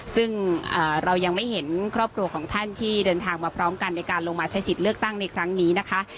ซึ่งเรายังไม่เห็นครอบครัวของท่านที่เดินทางมาพร้อมกันในการลงมาใช้สิทธิ์เลือกตั้งในครั้งนี้นะคะ